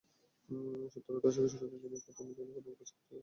সত্তরের দশকের শুরুতে তিনি প্রথম কাচ কেটে একটি সুন্দর ফুলগাছ সৃষ্টি করেন।